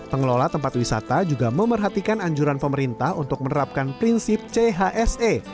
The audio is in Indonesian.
pengelola tempat wisata juga memerhatikan anjuran pemerintah untuk menerapkan prinsip chse